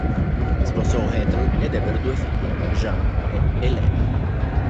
Sposò Ethel ed ebbero due figlie, Jean e Elaine.